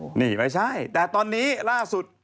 นี่ไม่ใช่แต่ตอนนี้ล่าสุด